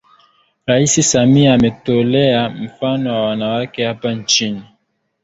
Rais Samia ametolea mfano wa Wanawake hapa nchini